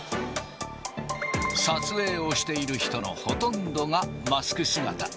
撮影をしている人のほとんどがマスク姿。